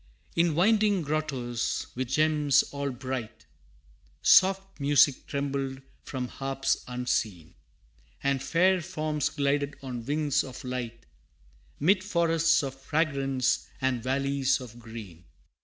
In winding grottos, with gems all bright, Soft music trembled from harps unseen, And fair forms glided on wings of light, 'Mid forests of fragrance, and valleys of green.